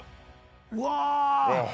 うわ！